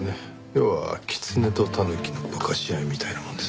要はキツネとタヌキの化かし合いみたいなもんですね。